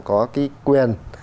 có cái quyền